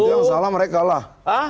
itu yang salah mereka lah